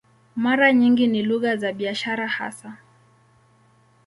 Mara nyingi ni lugha za biashara hasa.